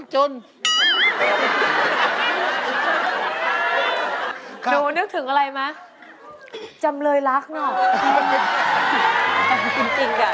หนูนึกถึงอะไรไหมจำเลยรักเนอะ